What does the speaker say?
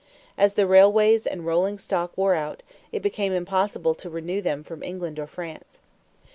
As the railways and rolling stock wore out, it became impossible to renew them from England or France.